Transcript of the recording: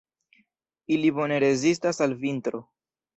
Ili bone rezistas al vintro.